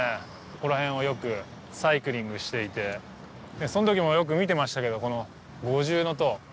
ここら辺をよくサイクリングしていて、そのときもよく見てましたけど、この五重の塔。